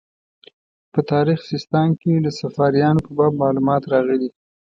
په تاریخ سیستان کې د صفاریانو په باب معلومات راغلي.